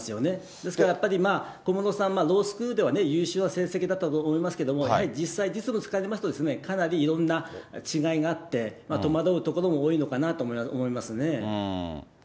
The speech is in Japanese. ですからやっぱりまあ、小室さん、ロースクールでは優秀な成績だったと思いますけれども、やはり実際、実務就かれますと、かなりいろんな違いがあって、戸惑うところも多いのかなと思いますね。